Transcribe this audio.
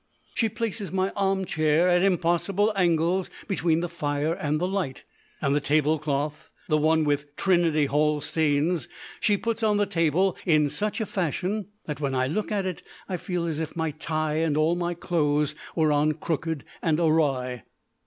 She places my armchair at impossible angles between the fire and the light, and the tablecloth the one with Trinity Hall stains she puts on the table in such a fashion that when I look at it I feel as if my tie and all my clothes were on crooked and awry.